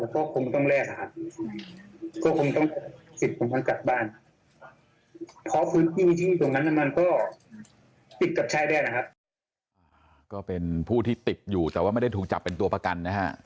ก็คงต้องแลกครับก็คงต้องสิทธิตรงนั้นกลับบ้าน